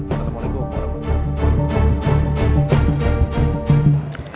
assalamualaikum warahmatullahi wabarakatuh